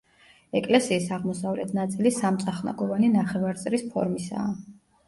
ეკლესიის აღმოსავლეთ ნაწილი სამწახნაგოვანი ნახევარწრის ფორმისაა.